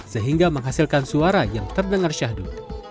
sehingga menghasilkan suara yang terdengar syahdu